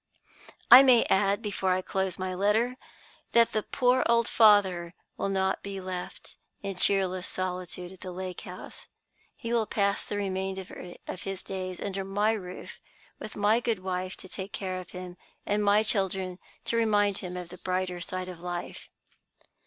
"I may add, before I close my letter, that the poor old father will not be left in cheerless solitude at the lake house. He will pass the remainder of his days under my roof, with my good wife to take care of him, and my children to remind him of the brighter side of life."